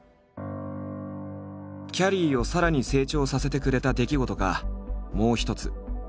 きゃりーをさらに成長させてくれた出来事がもう一つ。